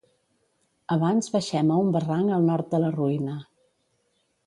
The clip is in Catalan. Abans baixem a un barranc al nord de la ruïna.